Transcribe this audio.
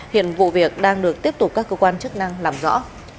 hiện vụ việc đang được tiếp tục các cơ quan chức năng làm rõ